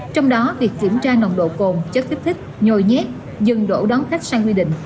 do đó việc kiểm tra nồng độ cồn chất thích thích nhồi nhét dừng đổ đón khách sang quy định